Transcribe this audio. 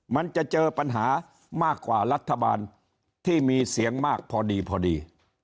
มันจะเจอปัญหามากกว่ารัฐบาลที่มีเสียงมากพอดีพอดี